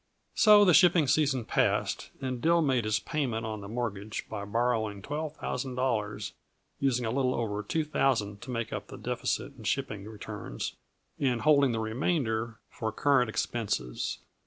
So the shipping season passed and Dill made his payment on the mortgage by borrowing twelve thousand dollars, using a little over two thousand to make up the deficit in shipping returns and holding the remainder for current expenses.